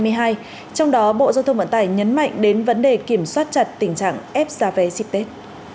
trong đó bộ giao thông vận tải nhấn mạnh đến vấn đề kiểm soát chặt tình trạng ép giá vé dịp tết